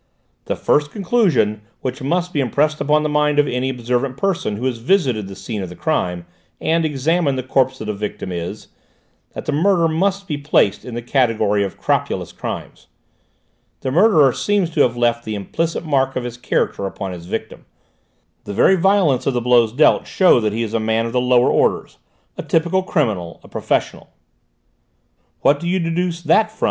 The first conclusion which must be impressed upon the mind of any observant person who has visited the scene of the crime and examined the corpse of the victim is, that this murder must be placed in the category of crapulous crimes. The murderer seems to have left the implicit mark of his character upon his victim; the very violence of the blows dealt shows that he is a man of the lower orders, a typical criminal, a professional." "What do you deduce that from?" M.